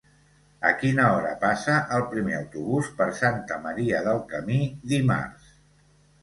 A quina hora passa el primer autobús per Santa Maria del Camí dimarts?